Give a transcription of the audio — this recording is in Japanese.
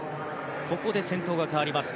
ここで先頭が変わります。